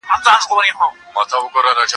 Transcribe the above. د محصلینو لیلیه بې دلیله نه تړل کیږي.